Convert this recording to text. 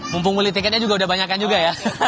mumpung muli tiketnya juga udah banyak kan juga ya